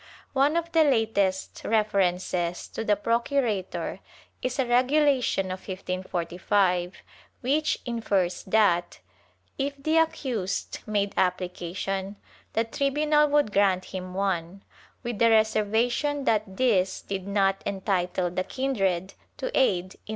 One of the latest references to the procurator is a regulation of 1545, which infers that, if the accused made application, the tribunal would grant him one, with the reserva tion that this did not entitle the kindred to aid in the defence.